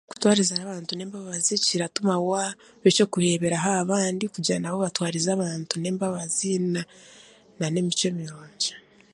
Kutwariza n'abantu n'embabazi kiratuma waaba ekyokureeberaho aha bandi kugira nabo batwarize abantu n'embabazi na n'emicwe mirungi